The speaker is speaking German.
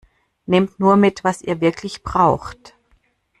Nehmt nur mit, was ihr wirklich braucht!